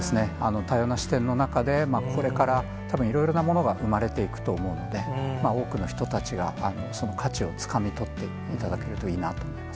多様な視点の中で、これからたぶん、いろいろなものが生まれていくと思うので、多くの人たちがその価値をつかみ取っていただけるといいなと思います。